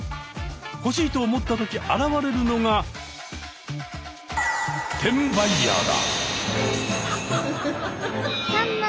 欲しいと思った時現れるのが転売ヤーだ！